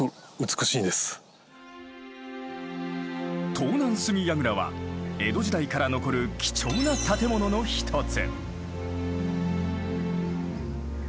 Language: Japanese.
東南隅櫓は江戸時代から残る貴重な建物の一つ。